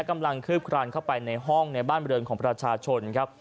กำลังเคลือปกรรมเข้าไปในห้องในบ้านละทของประชาชนครับ